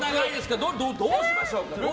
どうしましょう。